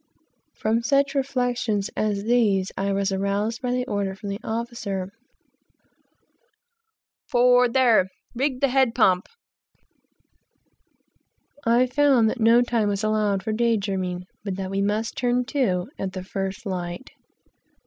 From such reflections as these, I was aroused by the order from the officer, "Forward there! rig the head pump!" I found that no time was allowed for day dreaming, but that we must "turn to" at the first light.